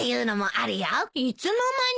いつの間に？